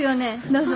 どうぞ。